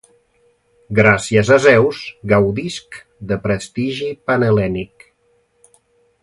Gràcies a Zeus, gaudisc de prestigi panhel·lènic.